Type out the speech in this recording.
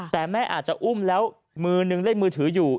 แต่แม่อาจจะอุ้มแล้วมือนึงเล่นมือถืออยู่